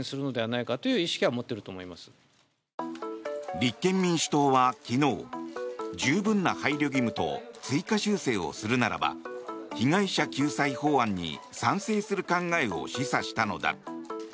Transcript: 立憲民主党は昨日十分な配慮義務と追加修正をするならば被害者救済法案に賛成する考えを示唆したのだ。